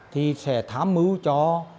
thì sẽ thám mưu cho